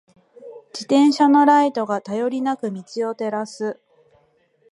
自転車のライトが、頼りなく道を照らす。